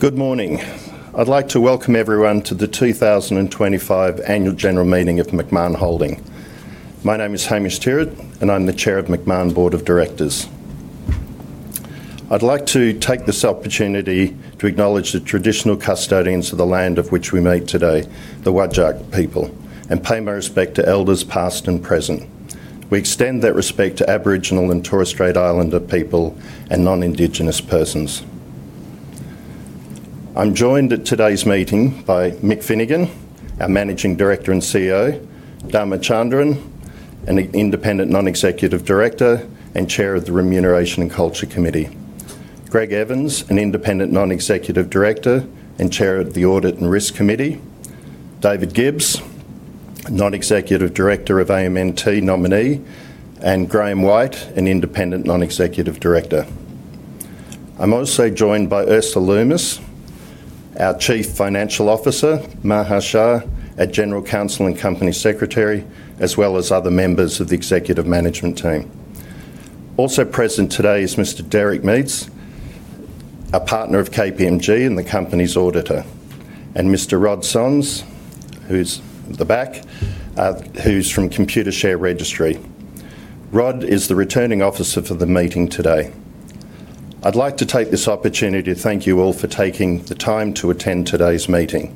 Good morning. I'd like to welcome everyone to the 2025 Annual General Meeting of Macmahon Holdings. My name is Hamish Tyrwhitt, and I'm the Chair of the Macmahon Board of Directors. I'd like to take this opportunity to acknowledge the traditional custodians of the land on which we meet today, the Whadjuk people, and pay my respect to elders past and present. We extend that respect to Aboriginal and Torres Strait Islander people and non-Indigenous persons. I'm joined at today's meeting by Mick Finnegan, our Managing Director and CEO, Dharma Chandran, an Independent Non-Executive Director and Chair of the Remuneration and Culture Committee, Greg Evans, an Independent Non-Executive Director and Chair of the Audit and Risk Committee, David Gibbs, Non-Executive Director and AMNT nominee, and Grahame White, an Independent Non-Executive Director. I'm also joined by Ursula Lummis, our Chief Financial Officer, Maha Chaar, our General Counsel and Company Secretary, as well as other members of the executive management team. Also present today is Mr. Derek Meates, a partner of KPMG and the company's auditor, and Mr. [Rod Sons], who is at the back, who is from Computershare Registry. Rod is the returning officer for the meeting today. I'd like to take this opportunity to thank you all for taking the time to attend today's meeting.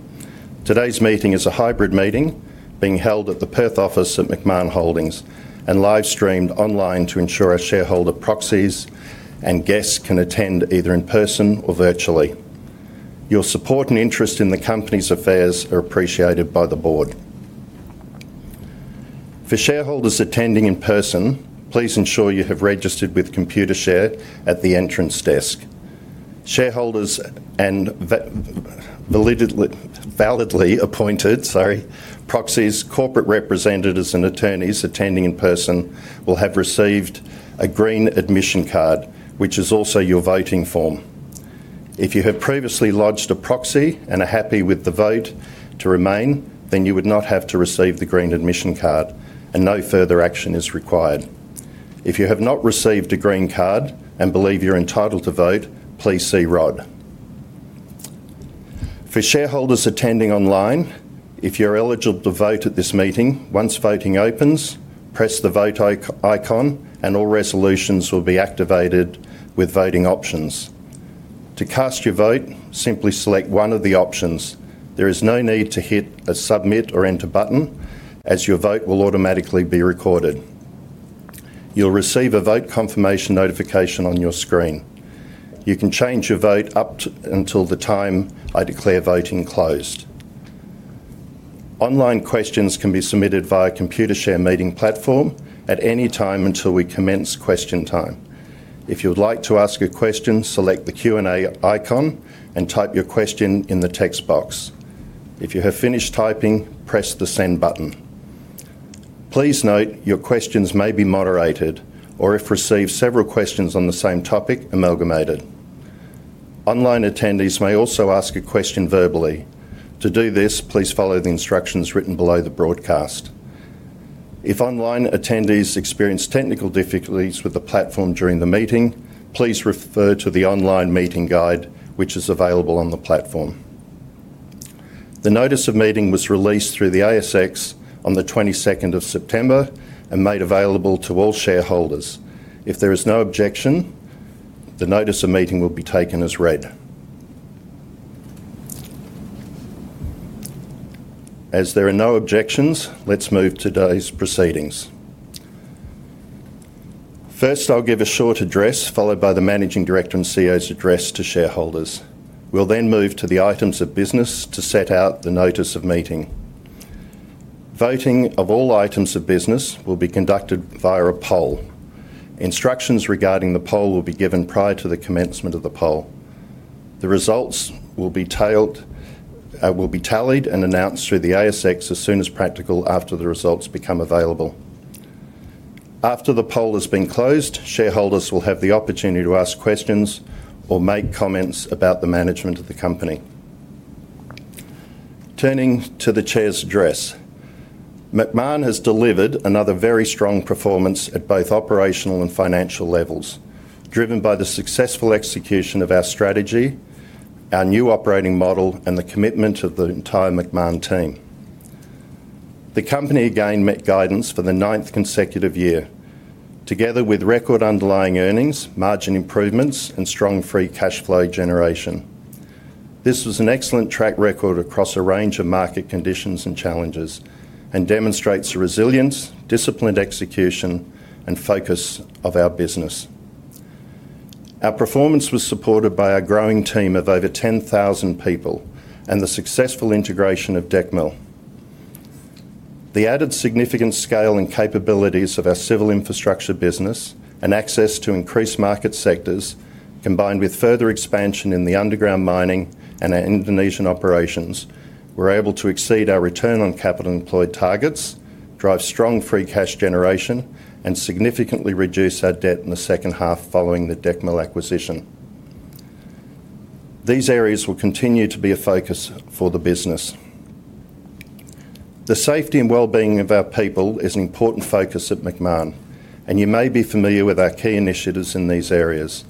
Today's meeting is a hybrid meeting being held at the Perth office at Macmahon Holdings and live streamed online to ensure our shareholder proxies and guests can attend either in person or virtually. Your support and interest in the company's affairs are appreciated by the Board. For shareholders attending in person, please ensure you have registered with Computershare at the entrance desk. Shareholders and validly appointed proxies, corporate representatives, and attorneys attending in person will have received a green admission card, which is also your voting form. If you have previously lodged a proxy and are happy with the vote to remain, then you would not have to receive the green admission card, and no further action is required. If you have not received a green card and believe you're entitled to vote, please see Rod. For shareholders attending online, if you're eligible to vote at this meeting, once voting opens, press the vote icon and all resolutions will be activated with voting options. To cast your vote, simply select one of the options. There is no need to hit a submit or enter button, as your vote will automatically be recorded. You'll receive a vote confirmation notification on your screen. You can change your vote up until the time I declare voting closed. Online questions can be submitted via the Computershare meeting platform at any time until we commence question time. If you would like to ask a question, select the Q&A icon and type your question in the text box. If you have finished typing, press the send button. Please note your questions may be moderated or, if received, several questions on the same topic amalgamated. Online attendees may also ask a question verbally. To do this, please follow the instructions written below the broadcast. If online attendees experience technical difficulties with the platform during the meeting, please refer to the online meeting guide, which is available on the platform. The notice of meeting was released through the ASX on the 22nd of September and made available to all shareholders. If there is no objection, the notice of meeting will be taken as read. As there are no objections, let's move to today's proceedings. First, I'll give a short address followed by the Managing Director and CEO's address to shareholders. We'll then move to the items of business to set out the notice of meeting. Voting of all items of business will be conducted via a poll. Instructions regarding the poll will be given prior to the commencement of the poll. The results will be tallied and announced through the ASX as soon as practical after the results become available. After the poll has been closed, shareholders will have the opportunity to ask questions or make comments about the management of the company. Turning to the Chair's address, Macmahon has delivered another very strong performance at both operational and financial levels, driven by the successful execution of our strategy, our new operating model, and the commitment of the entire Macmahon team. The company again met guidance for the ninth consecutive year, together with record underlying earnings, margin improvements, and strong free cash flow generation. This was an excellent track record across a range of market conditions and challenges and demonstrates the resilience, disciplined execution, and focus of our business. Our performance was supported by our growing team of over 10,000 people and the successful integration of Decmil. The added significant scale and capabilities of our civil infrastructure business and access to increased market sectors, combined with further expansion in the underground mining and our Indonesian operations, were able to exceed our return on capital employed targets, drive strong free cash generation, and significantly reduce our debt in the second half following the Decmil acquisition. These areas will continue to be a focus for the business. The safety and well-being of our people is an important focus at Macmahon, and you may be familiar with our key initiatives in these areas.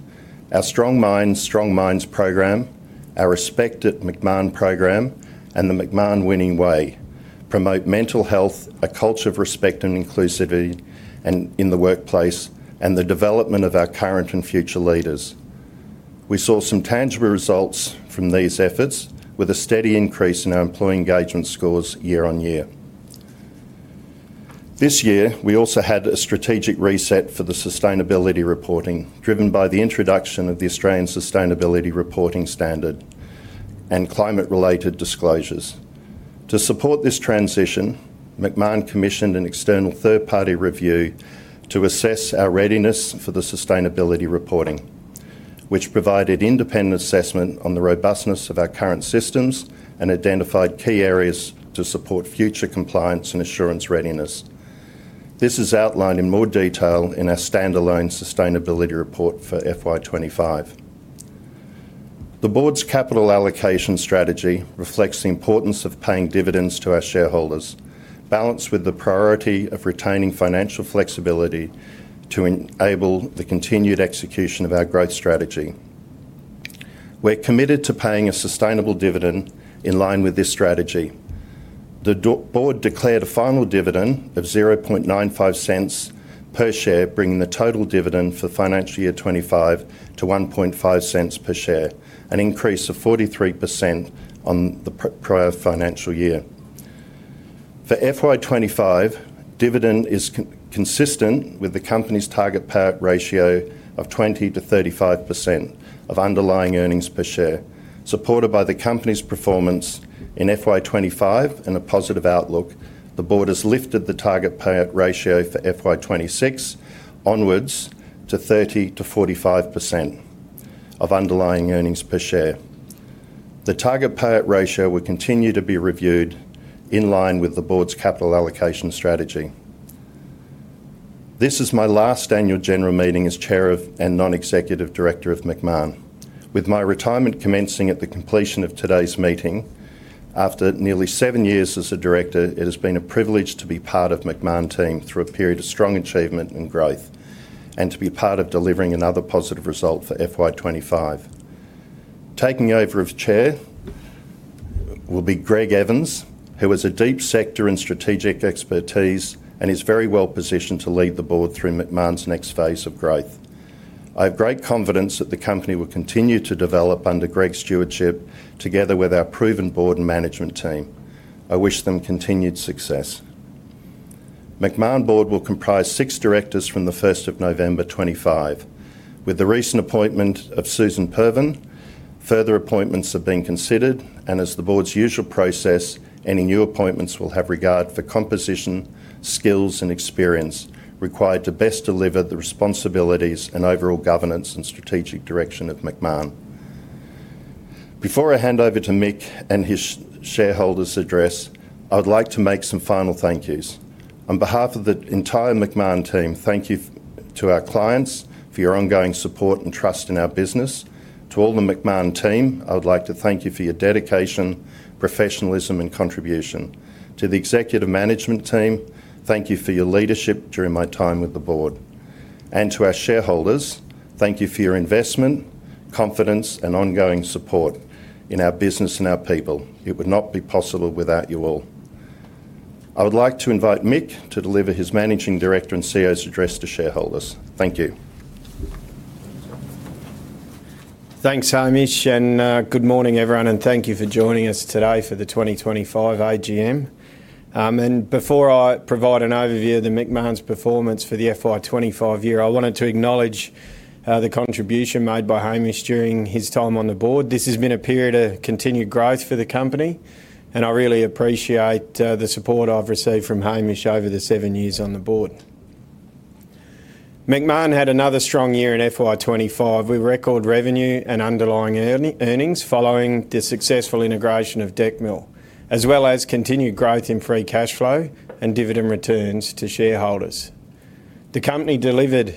Our Strong Minds, Strong Mines program, our Respect@Macmahon program, and the Macmahon Winning Way promote mental health, a culture of respect and inclusivity in the workplace, and the development of our current and future leaders. We saw some tangible results from these efforts, with a steady increase in our employee engagement scores year on year. This year, we also had a strategic reset for the sustainability reporting, driven by the introduction of the Australian Sustainability Reporting Standards and climate-related disclosures. To support this transition, Macmahon commissioned an external third-party review to assess our readiness for the sustainability reporting, which provided independent assessment on the robustness of our current systems and identified key areas to support future compliance and assurance readiness. This is outlined in more detail in our standalone sustainability report for FY 2025. The Board's capital allocation strategy reflects the importance of paying dividends to our shareholders, balanced with the priority of retaining financial flexibility to enable the continued execution of our growth strategy. We're committed to paying a sustainable dividend in line with this strategy. The Board declared a final dividend of $0.0095 per share, bringing the total dividend for financial year 2025 to $0.015 per share, an increase of 43% on the prior financial year. For FY 2025, dividend is consistent with the company's target payout ratio of 20%-35% of underlying earnings per share, supported by the company's performance in FY 2025 and a positive outlook. The Board has lifted the target payout ratio for FY 2026 onwards to 30%-45% of underlying earnings per share. The target payout ratio will continue to be reviewed in line with the Board's capital allocation strategy. This is my last annual general meeting as Chair and Non-Executive Director of Macmahon. With my retirement commencing at the completion of today's meeting, after nearly seven years as a Director, it has been a privilege to be part of the Macmahon team through a period of strong achievement and growth and to be part of delivering another positive result for FY 2025. Taking over as Chair will be Greg Evans, who has a deep sector and strategic expertise and is very well-positioned to lead the Board through Macmahon's next phase of growth. I have great confidence that the company will continue to develop under Greg's stewardship, together with our proven Board and management team. I wish them continued success. The Macmahon board will comprise six Directors from the 1st of November 2025. With the recent appointment of Suzan Pervan, further appointments have been considered, and as the Board's usual process, any new appointments will have regard for composition, skills, and experience required to best deliver the responsibilities and overall governance and strategic direction of Macmahon. Before I hand over to Mick and his shareholders' address, I would like to make some final thank yous. On behalf of the entire Macmahon team, thank you to our clients for your ongoing support and trust in our business. To all the Macmahon team, I would like to thank you for your dedication, professionalism, and contribution. To the executive management team, thank you for your leadership during my time with the Board. To our shareholders, thank you for your investment, confidence, and ongoing support in our business and our people. It would not be possible without you all. I would like to invite Mick to deliver his Managing Director and CEO's address to shareholders. Thank you. Thanks, Hamish, and good morning, everyone, and thank you for joining us today for the 2025 AGM. Before I provide an overview of Macmahon's performance for the FY 2025 year, I wanted to acknowledge the contribution made by Hamish during his time on the Board. This has been a period of continued growth for the company, and I really appreciate the support I've received from Hamish over the seven years on the Board. Macmahon had another strong year in FY 2025 with record revenue and underlying earnings following the successful integration of Decmil, as well as continued growth in free cash flow and dividend returns to shareholders. The company delivered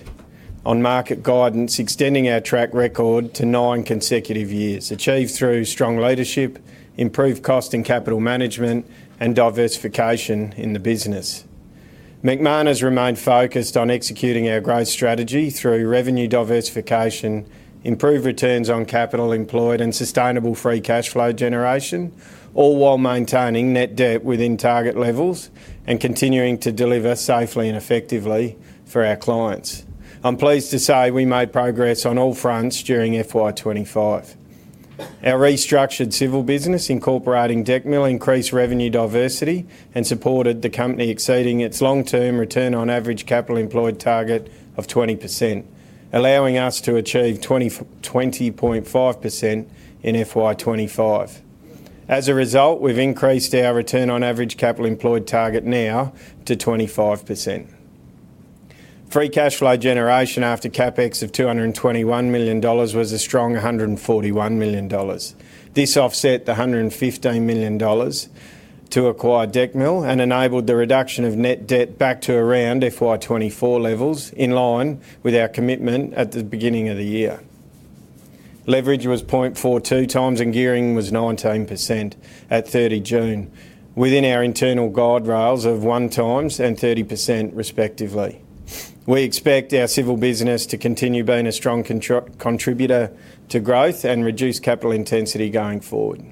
on market guidance, extending our track record to nine consecutive years, achieved through strong leadership, improved cost and capital management, and diversification in the business. Macmahon has remained focused on executing our growth strategy through revenue diversification, improved returns on capital employed, and sustainable free cash flow generation, all while maintaining net debt within target levels and continuing to deliver safely and effectively for our clients. I'm pleased to say we made progress on all fronts during FY 2025. Our restructured civil business, incorporating Decmil, increased revenue diversity and supported the company, exceeding its long-term return on average capital employed target of 20%, allowing us to achieve 20.5% in FY 2025. As a result, we've increased our return on average capital employed target now to 25%. Free cash flow generation after CapEx of $221 million was a strong $141 million. This offset the $115 million to acquire Decmil and enabled the reduction of net debt back to around FY 2024 levels, in line with our commitment at the beginning of the year. Leverage was 0.42x and gearing was 19% at 30 June, within our internal guardrails of 1x and 30%, respectively. We expect our civil business to continue being a strong contributor to growth and reduce capital intensity going forward.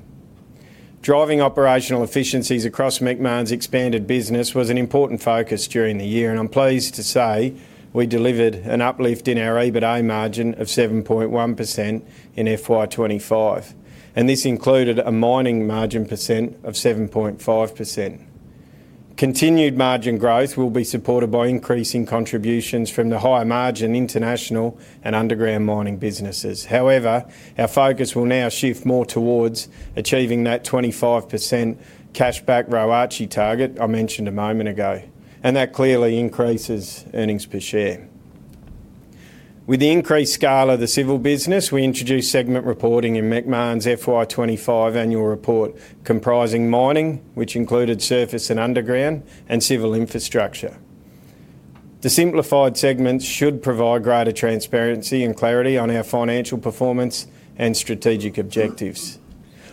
Driving operational efficiencies across Macmahon's expanded business was an important focus during the year, and I'm pleased to say we delivered an uplift in our EBITDA margin of 7.1% in FY 2025, and this included a mining margin percent of 7.5%. Continued margin growth will be supported by increasing contributions from the higher margin international and underground mining businesses. However, our focus will now shift more towards achieving that 25% cashback ROACE target I mentioned a moment ago, and that clearly increases earnings per share. With the increased scale of the civil business, we introduced segment reporting in Macmahon's FY 2025 annual report, comprising mining, which included surface and underground, and civil infrastructure. The simplified segments should provide greater transparency and clarity on our financial performance and strategic objectives.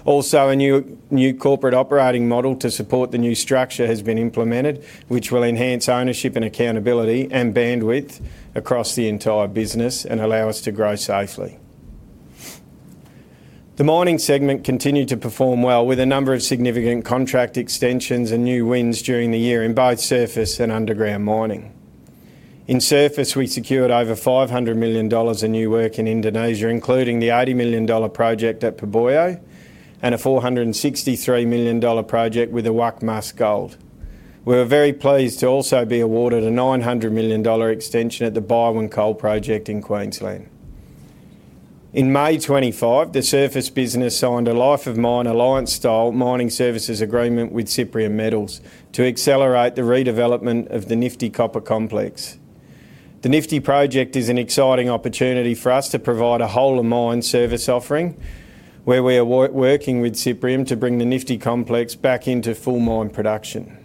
Also, a new corporate operating model to support the new structure has been implemented, which will enhance ownership and accountability and bandwidth across the entire business and allow us to grow safely. The mining segment continued to perform well, with a number of significant contract extensions and new wins during the year in both surface and underground mining. In surface, we secured over $500 million in new work in Indonesia, including the $80 million project at Poboya and a $463 million project with Awak Mas Gold. We're very pleased to also be awarded a $900 million extension at the Byerwen Coal Project in Queensland. In May 2025, the surface business signed a Life of Mine Alliance-style mining services agreement with Cyprium Metals to accelerate the redevelopment of the Nifty Copper Complex. The Nifty project is an exciting opportunity for us to provide a whole mine service offering where we are working with Cyprium to bring the Nifty Complex back into full mine production.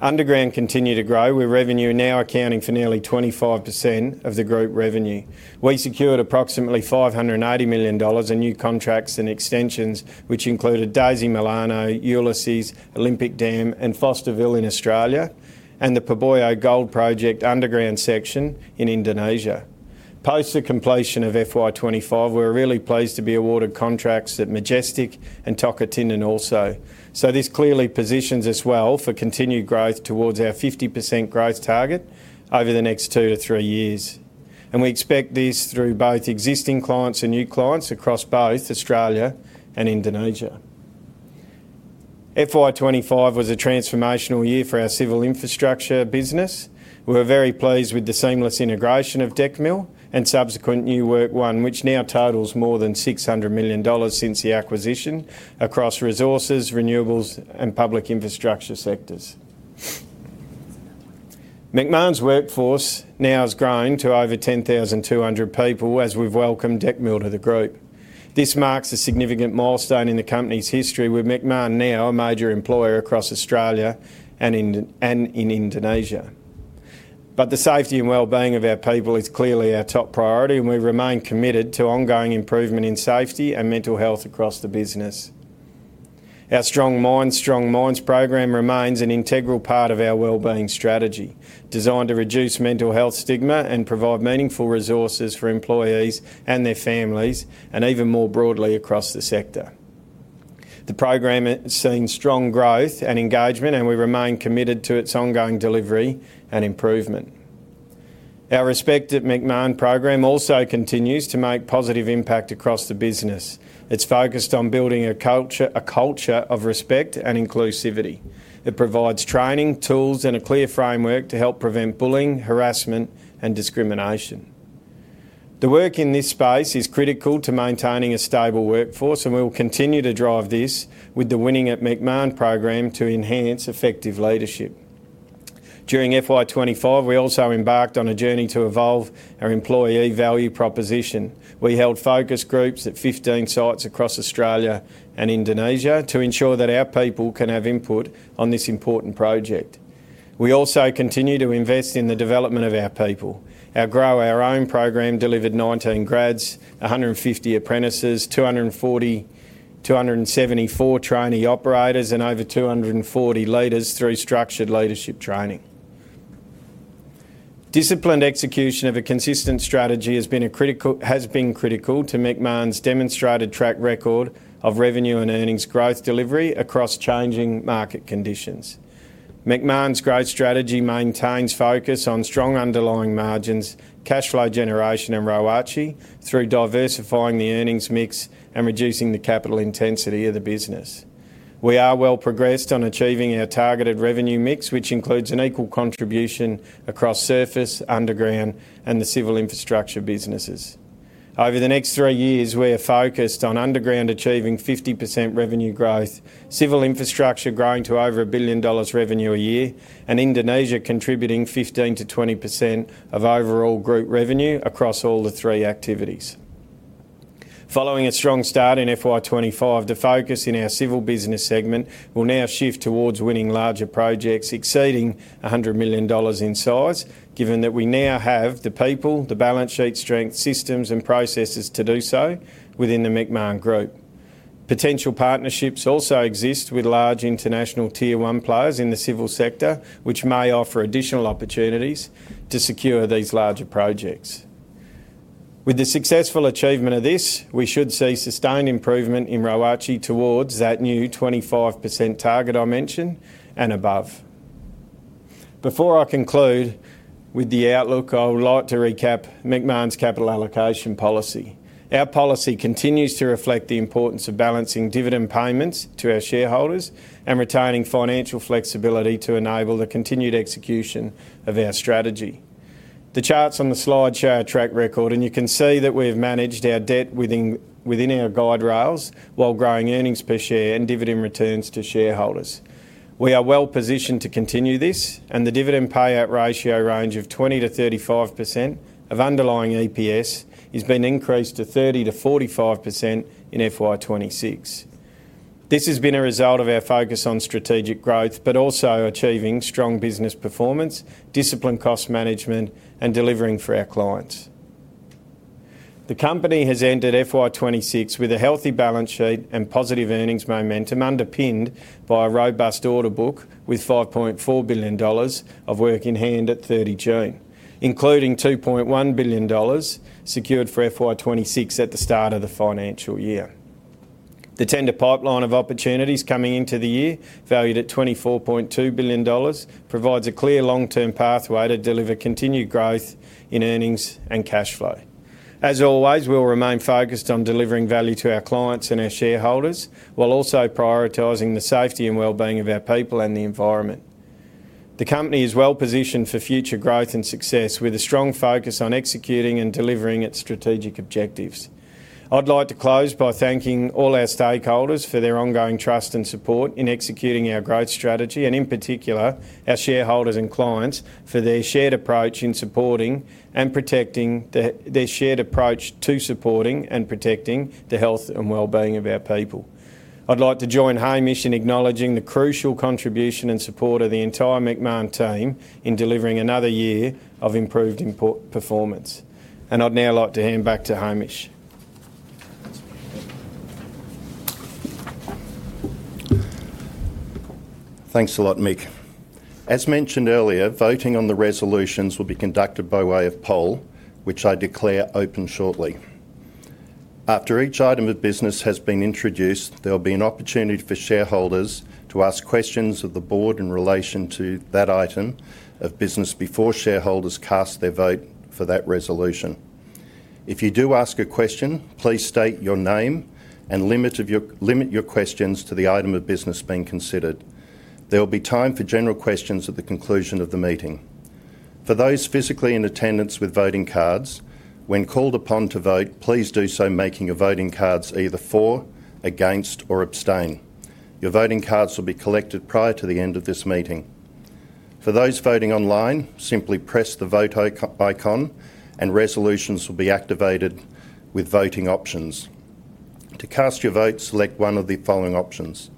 Underground continued to grow, with revenue now accounting for nearly 25% of the group revenue. We secured approximately $580 million in new contracts and extensions, which included Daisy Milano, Ulysses, Olympic Dam, and Fosterville in Australia, and the Poboya Gold Project underground section in Indonesia. Post the completion of FY 2025, we're really pleased to be awarded contracts at Majestic and Toka Tindung also. This clearly positions us well for continued growth towards our 50% growth target over the next two to three years, and we expect this through both existing clients and new clients across both Australia and Indonesia. FY 2025 was a transformational year for our civil infrastructure business. We're very pleased with the seamless integration of Decmil and subsequent new work won, which now totals more than $600 million since the acquisition across resources, renewables, and public infrastructure sectors. Macmahon's workforce now has grown to over 10,200 people as we've welcomed Decmil to the group. This marks a significant milestone in the company's history, with Macmahon now a major employer across Australia and in Indonesia. The safety and well-being of our people is clearly our top priority, and we remain committed to ongoing improvement in safety and mental health across the business. Our Strong Minds, Strong Mines program remains an integral part of our well-being strategy, designed to reduce mental health stigma and provide meaningful resources for employees and their families, and even more broadly across the sector. The program has seen strong growth and engagement, and we remain committed to its ongoing delivery and improvement. Our Respect@Macmahon program also continues to make positive impact across the business. It's focused on building a culture of respect and inclusivity. It provides training, tools, and a clear framework to help prevent bullying, harassment, and discrimination. The work in this space is critical to maintaining a stable workforce, and we will continue to drive this with the Winning at Macmahon program to enhance effective leadership. During FY 2025, we also embarked on a journey to evolve our employee value proposition. We held focus groups at 15 sites across Australia and Indonesia to ensure that our people can have input on this important project. We also continue to invest in the development of our people. Our Grow Our Own program delivered 19 grads, 150 apprentices, 274 trainee operators, and over 240 leaders through structured leadership training. Disciplined execution of a consistent strategy has been critical to Macmahon's demonstrated track record of revenue and earnings growth delivery across changing market conditions. Macmahon's growth strategy maintains focus on strong underlying margins, cash flow generation, and ROACE through diversifying the earnings mix and reducing the capital intensity of the business. We are well-progressed on achieving our targeted revenue mix, which includes an equal contribution across surface, underground, and the civil infrastructure businesses. Over the next three years, we are focused on underground achieving 50% revenue growth, civil infrastructure growing to over $1 billion revenue a year, and Indonesia contributing 15%-20% of overall group revenue across all the three activities. Following a strong start in FY 2025, the focus in our civil business segment will now shift towards winning larger projects exceeding $100 million in size, given that we now have the people, the balance sheet strength, systems, and processes to do so within the Macmahon group. Potential partnerships also exist with large international Tier 1 players in the civil sector, which may offer additional opportunities to secure these larger projects. With the successful achievement of this, we should see sustained improvement in ROACE towards that new 25% target I mentioned and above. Before I conclude with the outlook, I would like to recap Macmahon's capital allocation policy. Our policy continues to reflect the importance of balancing dividend payments to our shareholders and retaining financial flexibility to enable the continued execution of our strategy. The charts on the slide show our track record, and you can see that we've managed our debt within our guardrails while growing earnings per share and dividend returns to shareholders. We are well-positioned to continue this, and the dividend payout ratio range of 20%-35% of underlying EPS has been increased to 30%-45% in FY 2026. This has been a result of our focus on strategic growth, but also achieving strong business performance, disciplined cost management, and delivering for our clients. The company has ended FY 2026 with a healthy balance sheet and positive earnings momentum underpinned by a robust order book with $5.4 billion of work in hand at 30 June, including $2.1 billion secured for FY 2026 at the start of the financial year. The tender pipeline of opportunities coming into the year, valued at $24.2 billion, provides a clear long-term pathway to deliver continued growth in earnings and cash flow. As always, we'll remain focused on delivering value to our clients and our shareholders while also prioritizing the safety and well-being of our people and the environment. The company is well-positioned for future growth and success, with a strong focus on executing and delivering its strategic objectives. I'd like to close by thanking all our stakeholders for their ongoing trust and support in executing our growth strategy, and in particular, our shareholders and clients for their shared approach in supporting and protecting the health and well-being of our people. I'd like to join Hamish in acknowledging the crucial contribution and support of the entire Macmahon team in delivering another year of improved performance. I'd now like to hand back to Hamish. Thanks a lot, Mick. As mentioned earlier, voting on the resolutions will be conducted by way of poll, which I declare open shortly. After each item of business has been introduced, there will be an opportunity for shareholders to ask questions of the Board in relation to that item of business before shareholders cast their vote for that resolution. If you do ask a question, please state your name and limit your questions to the item of business being considered. There will be time for general questions at the conclusion of the meeting. For those physically in attendance with voting cards, when called upon to vote, please do so making your voting cards either for, against, or abstain. Your voting cards will be collected prior to the end of this meeting. For those voting online, simply press the vote icon and resolutions will be activated with voting options. To cast your vote, select one of the following options.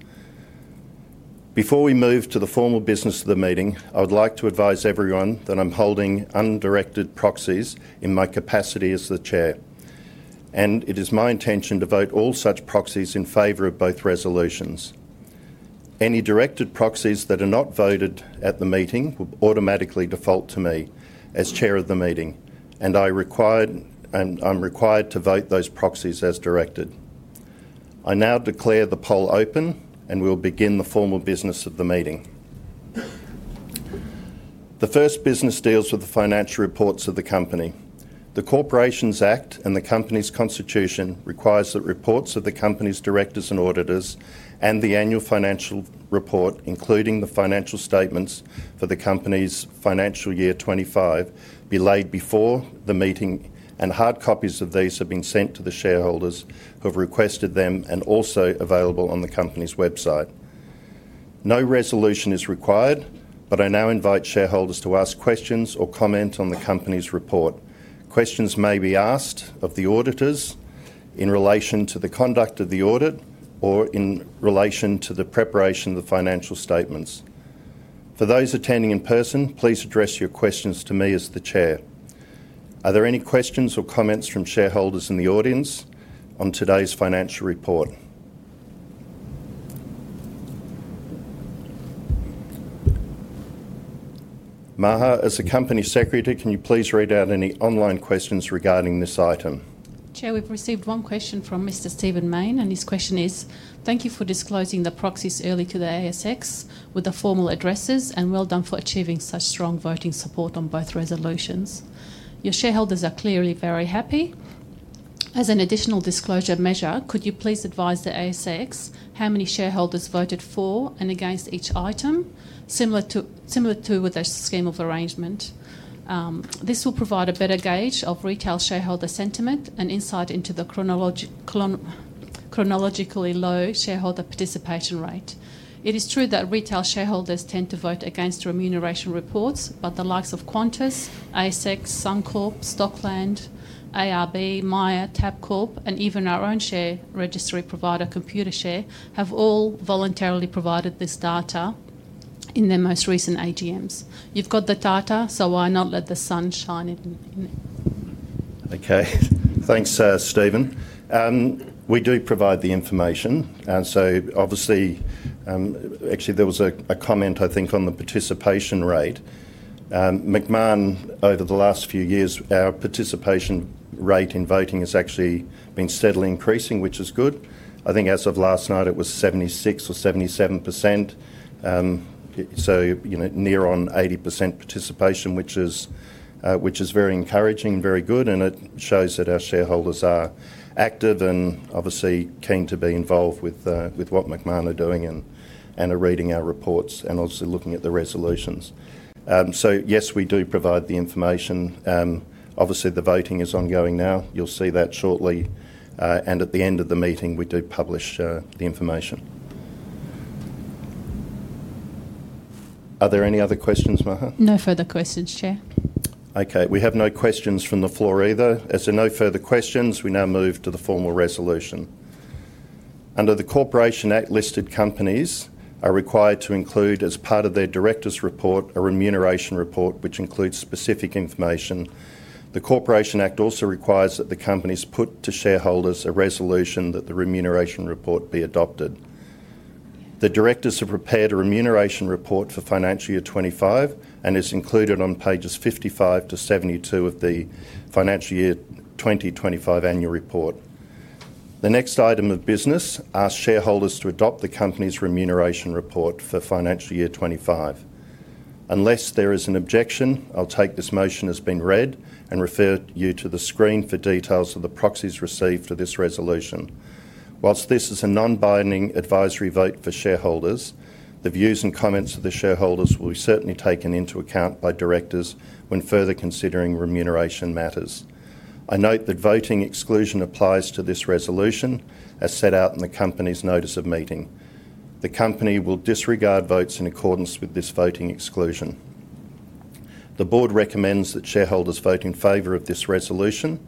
Before we move to the formal business of the meeting, I would like to advise everyone that I'm holding undirected proxies in my capacity as the Chair, and it is my intention to vote all such proxies in favor of both resolutions. Any directed proxies that are not voted at the meeting will automatically default to me as Chair of the meeting, and I'm required to vote those proxies as directed. I now declare the poll open, and we'll begin the formal business of the meeting. The first business deals with the financial reports of the company. The Corporations Act and the company's constitution require that reports of the company's Directors and auditors and the annual financial report, including the financial statements for the company's financial year 2025, be laid before the meeting, and hard copies of these have been sent to the shareholders who have requested them and are also available on the company's website. No resolution is required, but I now invite shareholders to ask questions or comment on the company's report. Questions may be asked of the auditors in relation to the conduct of the audit or in relation to the preparation of the financial statements. For those attending in person, please address your questions to me as the Chair. Are there any questions or comments from shareholders in the audience on today's financial report? Maha, as Company Secretary, can you please read out any online questions regarding this item? Chair, we've received one question from Mr. Stephen Mayne, and his question is, thank you for disclosing the proxies earlier to the ASX with the formal addresses, and well done for achieving such strong voting support on both resolutions. Your shareholders are clearly very happy. As an additional disclosure measure, could you please advise the ASX how many shareholders voted for and against each item, similar to with a scheme of arrangement? This will provide a better gauge of retail shareholder sentiment and insight into the chronically low shareholder participation rate. It is true that retail shareholders tend to vote against remuneration reports, but the likes of Qantas, ASX, Suncorp, Stockland, ARB, Myer, Tabcorp, and even our own share registry provider, Computershare, have all voluntarily provided this data in their most recent AGMs. You've got the data, so why not let the sun shine in it? Okay, thanks Stephen. We do provide the information, and actually there was a comment, I think, on the participation rate. Macmahon, over the last few years, our participation rate in voting has actually been steadily increasing, which is good. I think as of last night it was 76% or 77%, so near on 80% participation, which is very encouraging and very good, and it shows that our shareholders are active and obviously keen to be involved with what Macmahon are doing and are reading our reports and also looking at the resolutions. Yes, we do provide the information. Obviously, the voting is ongoing now. You'll see that shortly, and at the end of the meeting, we do publish the information. Are there any other questions, Maha? No further questions, Chair. Okay, we have no questions from the floor either. As there are no further questions, we now move to the formal resolution. Under the Corporations Act, listed companies are required to include as part of their Directors' Report a Remuneration Report, which includes specific information. The Corporations Act also requires that the companies put to shareholders a resolution that the Remuneration Report be adopted. The Directors have prepared a Remuneration Report for financial year 2025 and it is included on pages 55-72 of the financial year 2025 Annual Report. The next item of business asks shareholders to adopt the company's Remuneration Report for financial year 2025. Unless there is an objection, I'll take this motion as being read and refer you to the screen for details of the proxies received to this resolution. Whilst this is a non-binding advisory vote for shareholders, the views and comments of the shareholders will be certainly taken into account by Directors when further considering remuneration matters. I note that voting exclusion applies to this resolution as set out in the company's Notice of Meeting. The company will disregard votes in accordance with this voting exclusion. The Board recommends that shareholders vote in favor of this resolution.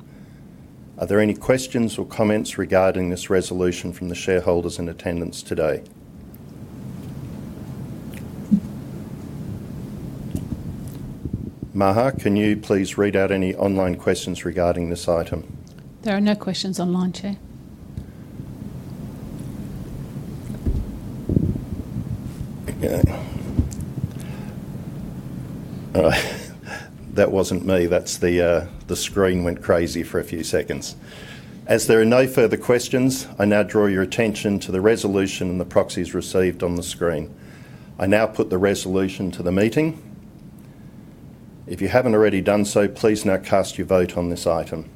Are there any questions or comments regarding this resolution from the shareholders in attendance today? Maha, can you please read out any online questions regarding this item? There are no questions online, Chair. Okay. All right, that wasn't me. That's the screen went crazy for a few seconds. As there are no further questions, I now draw your attention to the resolution and the proxies received on the screen. I now put the resolution to the meeting. If you haven't already done so, please now cast your vote on this item.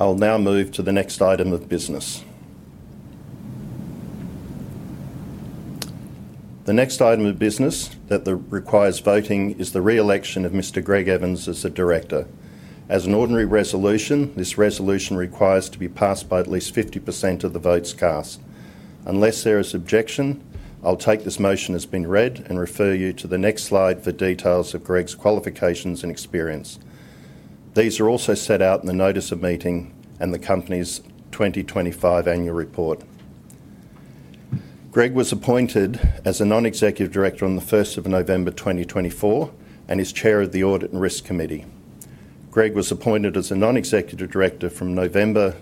I'll now move to the next item of business. The next item of business that requires voting is the reelection of Mr. Greg Evans as a Director. As an ordinary resolution, this resolution requires to be passed by at least 50% of the votes cast. Unless there is objection, I'll take this motion as being read and refer you to the next slide for details of Greg's qualifications and experience. These are also set out in the notice of meeting and the company's 2025 annual report. Greg was appointed as a Non-Executive Director on the 1st of November 2024 and is Chair of the Audit and Risk Committee. Greg was appointed as a Non-Executive Director from November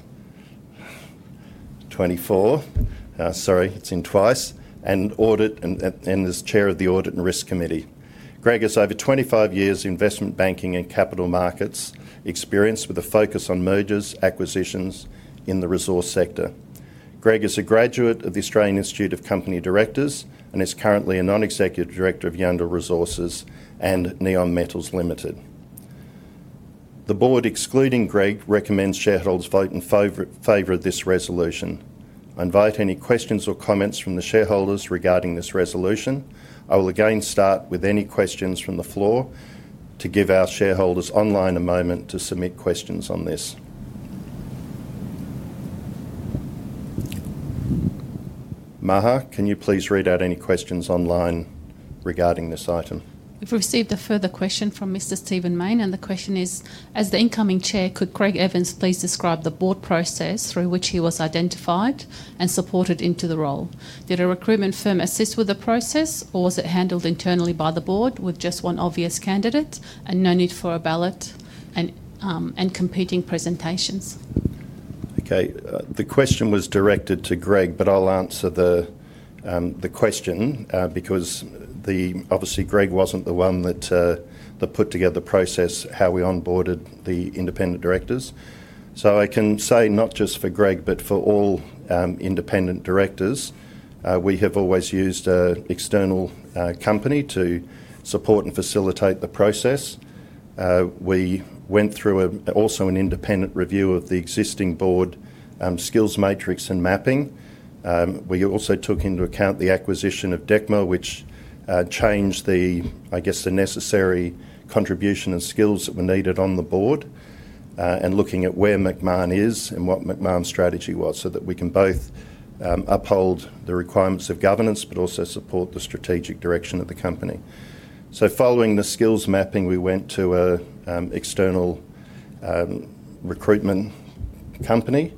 2024, sorry, it's in twice, and is Chair of the Audit and Risk Committee. Greg has over 25 years of investment banking and capital markets experience with a focus on mergers, acquisitions in the resource sector. Greg is a graduate of the Australian Institute of Company Directors and is currently a Non-Executive Director of Yandal Resources and Neometals Limited. The Board, excluding Greg, recommends shareholders vote in favor of this resolution. I invite any questions or comments from the shareholders regarding this resolution. I will again start with any questions from the floor to give our shareholders online a moment to submit questions on this. Maha, can you please read out any questions online regarding this item? We've received a further question from Mr. Stephen Mayne, and the question is, as the incoming Chair, could Greg Evans please describe the Board process through which he was identified and supported into the role? Did a recruitment firm assist with the process, or was it handled internally by the Board with just one obvious candidate and no need for a ballot and competing presentations? Okay, the question was directed to Greg, but I'll answer the question because obviously Greg wasn't the one that put together the process, how we onboarded the Independent Directors. I can say not just for Greg, but for all Independent Directors, we have always used an external company to support and facilitate the process. We went through an independent review of the existing Board skills matrix and mapping. We also took into account the acquisition of Decmil, which changed the, I guess, the necessary contribution and skills that were needed on the Board and looking at where Macmahon is and what Macmahon's strategy was so that we can both uphold the requirements of governance, but also support the strategic direction of the company. Following the skills mapping, we went to an external recruitment company,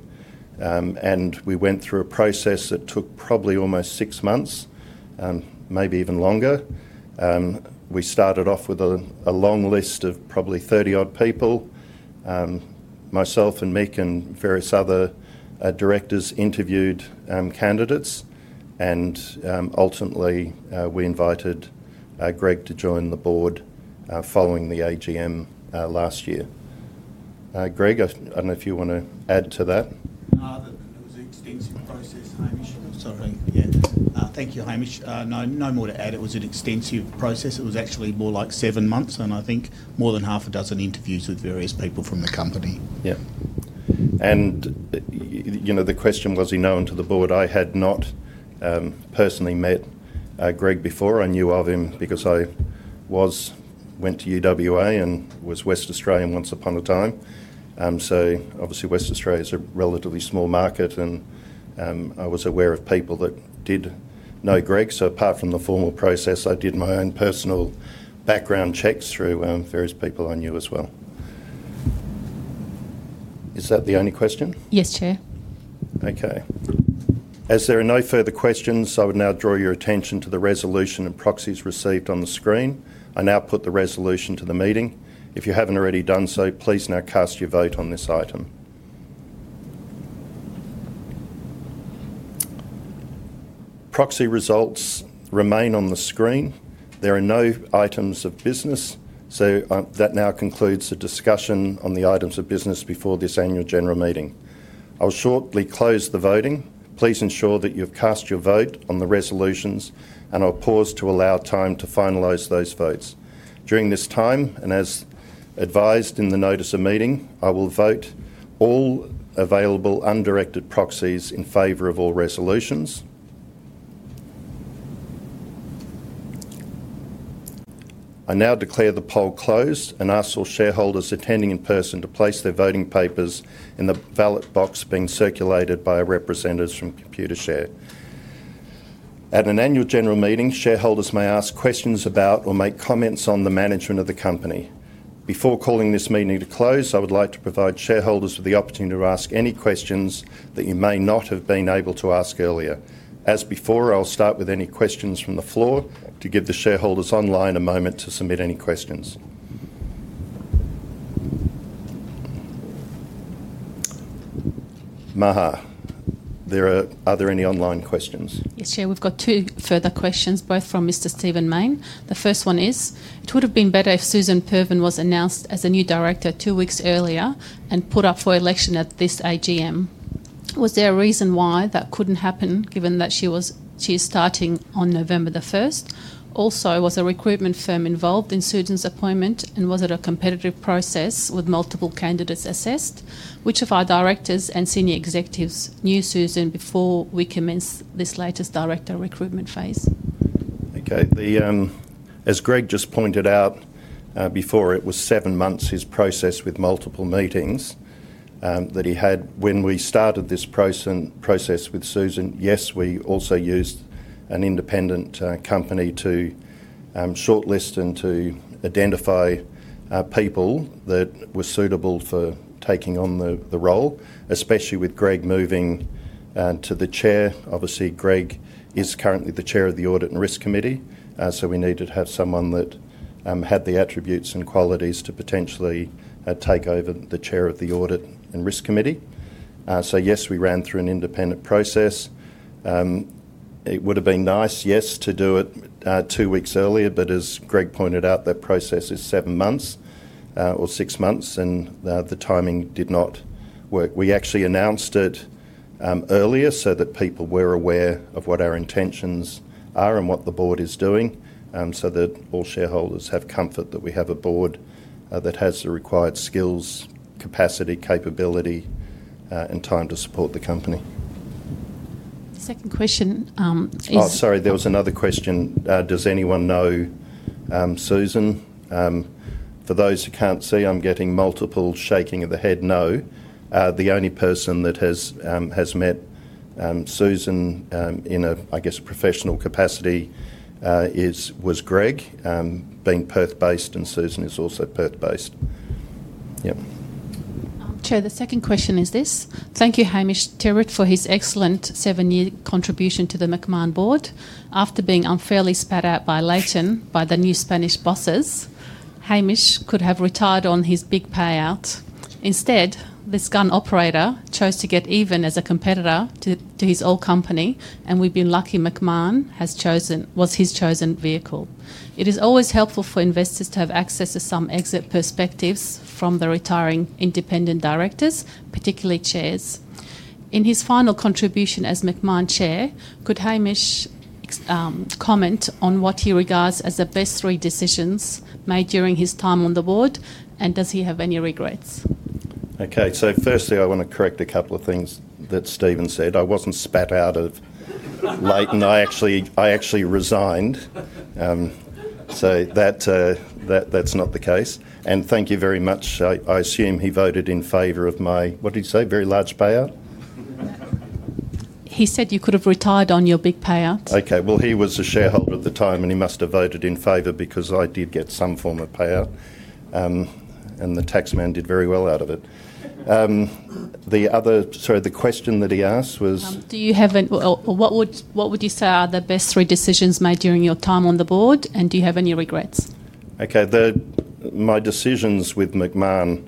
and we went through a process that took probably almost six months, maybe even longer. We started off with a long list of probably 30-odd people. Myself and Mick and various other Directors interviewed candidates, and ultimately we invited Greg to join the Board following the AGM last year. Greg, I don't know if you want to add to that. No, it was an extensive process, Hamish. Sorry. Thank you, Hamish. No, no more to add. It was an extensive process. It was actually more like seven months, and I think more than half a dozen interviews with various people from the company. Yeah, and you know the question was he known to the Board. I had not personally met Greg before. I knew of him because I went to UWA and was West Australian once upon a time. Obviously, Western Australia is a relatively small market, and I was aware of people that did know Greg. Apart from the formal process, I did my own personal background checks through various people I knew as well. Is that the only question? Yes, Chair. Okay, as there are no further questions, I would now draw your attention to the resolution and proxies received on the screen. I now put the resolution to the meeting. If you haven't already done so, please now cast your vote on this item. Proxy results remain on the screen. There are no items of business, so that now concludes the discussion on the items of business before this Annual General Meeting. I'll shortly close the voting. Please ensure that you've cast your vote on the resolutions, and I'll pause to allow time to finalize those votes. During this time, and as advised in the Notice of Meeting, I will vote all available undirected proxies in favor of all resolutions. I now declare the poll closed and ask all shareholders attending in person to place their voting papers in the ballot box being circulated by representatives from Computershare. At an Annual General Meeting, shareholders may ask questions about or make comments on the management of the company. Before calling this meeting to close, I would like to provide shareholders with the opportunity to ask any questions that you may not have been able to ask earlier. As before, I'll start with any questions from the floor to give the shareholders online a moment to submit any questions. Maha, are there any online questions? Yes, Chair, we've got two further questions, both from Mr. Stephen Mayne. The first one is, it would have been better if Suzan Pervan was announced as a new Director two weeks earlier and put up for election at this AGM. Was there a reason why that couldn't happen given that she is starting on November 1st? Also, was a recruitment firm involved in Suzan's appointment, and was it a competitive process with multiple candidates assessed? Which of our Directors and senior executives knew Suzan before we commenced this latest Director recruitment phase? Okay, as Greg just pointed out before, it was seven months, his process with multiple meetings that he had when we started this process with Suzan. Yes, we also used an independent company to shortlist and to identify people that were suitable for taking on the role, especially with Greg moving to the Chair. Obviously, Greg is currently the Chair of the Audit and Risk Committee, so we needed to have someone that had the attributes and qualities to potentially take over the Chair of the Audit and Risk Committee. Yes, we ran through an independent process. It would have been nice, yes, to do it two weeks earlier, but as Greg pointed out, that process is seven months or six months, and the timing did not work. We actually announced it earlier so that people were aware of what our intentions are and what the Board is doing, so that all shareholders have comfort that we have a Board that has the required skills, capacity, capability, and time to support the company. The second question is... Sorry, there was another question. Does anyone know Suzan? For those who can't see, I'm getting multiple shaking of the head no. The only person that has met Suzan in a, I guess, professional capacity was Greg, being Perth-based, and Suzan is also Perth-based. Chair, the second question is this. Thank you, Hamish Tyrwhitt, for his excellent seven-year contribution to the Macmahon Board. After being unfairly spat out by Leighton by the new Spanish bosses, Hamish could have retired on his big payout. Instead, this gun operator chose to get even as a competitor to his old company, and we've been lucky Macmahon was his chosen vehicle. It is always helpful for investors to have access to some exit perspectives from the retiring Independent Directors, particularly Chairs. In his final contribution as Macmahon Chair, could Hamish comment on what he regards as the best three decisions made during his time on the Board, and does he have any regrets? Okay, firstly, I want to correct a couple of things that Stephen said. I wasn't spat out of Leighton. I actually resigned, so that's not the case. Thank you very much. I assume he voted in favor of my, what did he say, very large payout? He said you could have retired on your big payout. Okay, he was a shareholder at the time, and he must have voted in favor because I did get some form of payout, and the taxman did very well out of it. The other, sorry, the question that he asked was... Do you have, what would you say are the best three decisions made during your time on the Board, and do you have any regrets? Okay, my decisions with Macmahon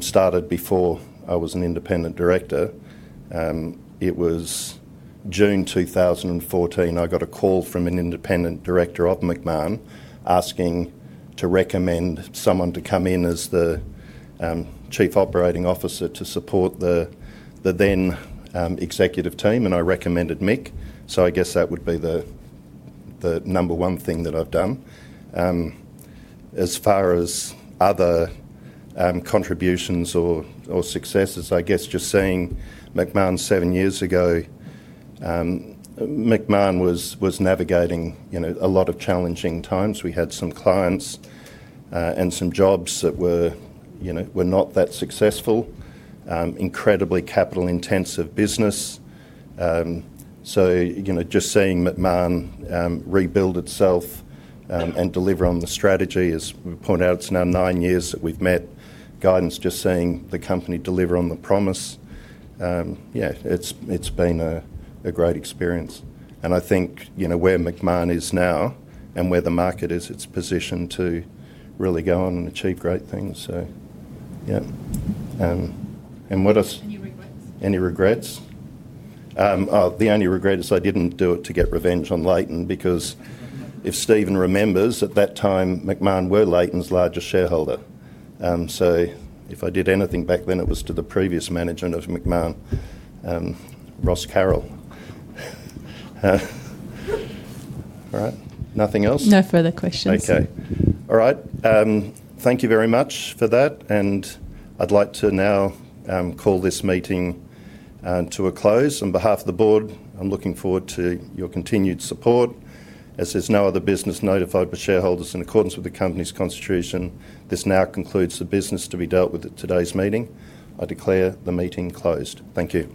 started before I was an Independent Director. It was June 2014. I got a call from an Independent Director of Macmahon asking to recommend someone to come in as the Chief Operating Officer to support the then executive team, and I recommended Mick. I guess that would be the number one thing that I've done. As far as other contributions or successes, I guess just seeing Macmahon seven years ago, Macmahon was navigating a lot of challenging times. We had some clients and some jobs that were not that successful, incredibly capital-intensive business. Just seeing Macmahon rebuild itself and deliver on the strategy, as we point out, it's now nine years that we've met guidance, just seeing the company deliver on the promise. It's been a great experience, and I think where Macmahon is now and where the market is, it's positioned to really go on and achieve great things. Any regrets? The only regret is I didn't do it to get revenge on Leighton because if Stephen remembers, at that time, Macmahon were Leighton's largest shareholder. If I did anything back then, it was to the previous management of Macmahon, Ross Carroll. All right, nothing else? No further questions. All right, thank you very much for that, and I'd like to now call this meeting to a close. On behalf of the Board, I'm looking forward to your continued support. As there's no other business notified by shareholders in accordance with the company's constitution, this now concludes the business to be dealt with at today's meeting. I declare the meeting closed. Thank you.